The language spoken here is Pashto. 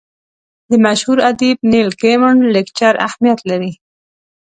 د مشهور ادیب نیل ګیمن لیکچر اهمیت لري.